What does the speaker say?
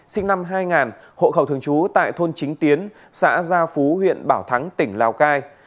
sinh năm hai nghìn hộ khẩu thường trú tại thôn chính tiến xã gia phú huyện bảo thắng tỉnh lào cai